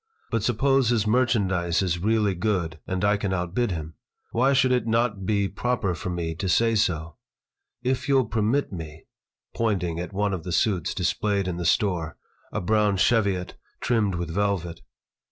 "But suppose his merchandise is really good, and I can outbid him. Why should it not be proper for me to say so? If you'll permit me" pointing at one of the suits displayed in the store, a brown cheviot trimmed with velvet.